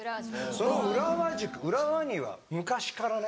その浦和宿浦和には昔からね。